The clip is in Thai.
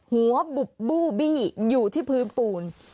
หัวบุบบู้บี้อยู่ที่พื้นปูน